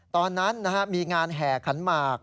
ตอนนั้นมีงานแห่ขันหมาก